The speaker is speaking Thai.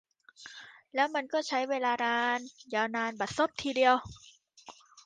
แล้วมันก็ใช้เวลานาน ยาวนานบัดซบทีเดียว